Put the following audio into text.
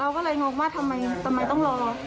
เขาเข้ามาเคียร์เราก็เลยงงว่าทำไมต้องรอ